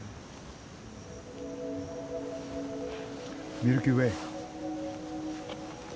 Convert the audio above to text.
ミルキーウェー。